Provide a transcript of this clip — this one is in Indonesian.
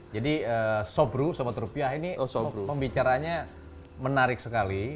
jadi sobru sobat rupiah ini pembicaranya menarik sekali